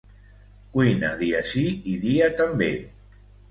Cuina dia sí i dia també!